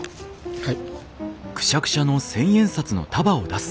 はい。